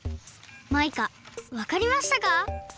マイカわかりましたか？